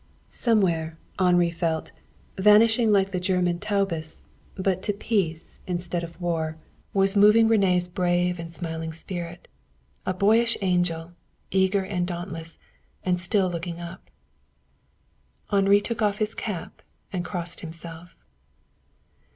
Somewhere, Henri felt, vanishing like the German taubes, but to peace instead of war, was moving René's brave and smiling spirit a boyish angel, eager and dauntless, and still looking up. Henri took off his cap and crossed himself.